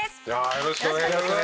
よろしくお願いします。